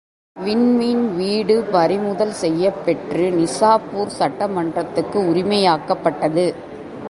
விண்மீன் வீடு பறிமுதல் செய்யப்பெற்று நிசாப்பூர் சட்டமன்றத்துக்கு உரிமையாக்கப்பட்டது.